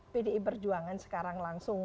pdi berjuangan sekarang langsung